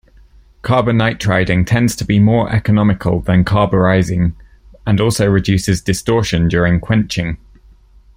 Carbonitriding tends to be more economical than carburizing, and also reduces distortion during quenching.